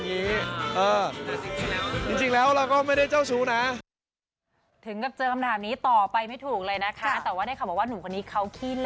ก็ลองสายตาเจ้าชู้อะไรอย่างนี้